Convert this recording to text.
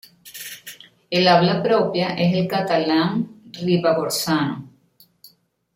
El habla propia es el catalán ribagorzano.